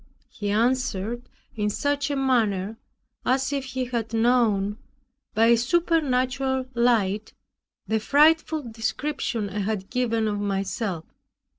He answered in such a manner, as if he had known, by a supernatural light, the frightful description I had given of myself.